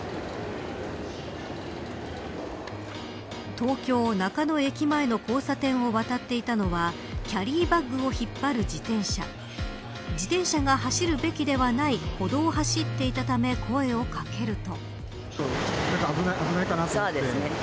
東京、中野駅前の交差点を渡っていたのはキャリーバッグを引っ張る自転車自転車が走るべきではない歩道を走っていたため声を掛けると。